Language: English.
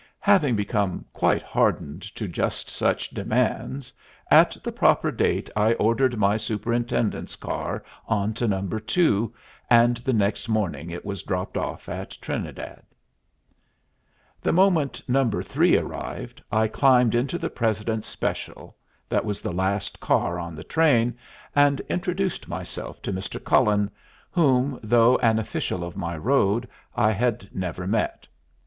Having become quite hardened to just such demands, at the proper date I ordered my superintendent's car on to No. 2, and the next morning it was dropped off at Trinidad. The moment No. 3 arrived, I climbed into the president's special, that was the last car on the train, and introduced myself to Mr. Cullen, whom, though an official of my road, I had never met.